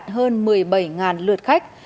hơn một mươi bảy lượt khách